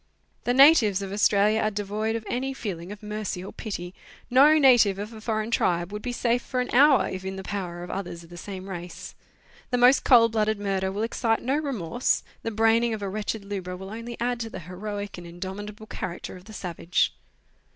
The natives of Australia are devoid of any feeling of mercy or pity; no native of a foreign tribe would be safe for an hour if in the power of others of the same race. The most cold blooded murder will excite no remorse ; the braining of a wretched lubra will only add to the heroic and indomitable character of the savage.